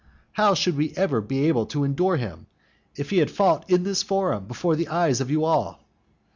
How should we be able to endure him, if he had fought in this forum before the eyes of you all?